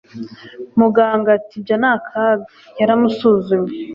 muganga ati ibyo ni akaga. yaramusuzumye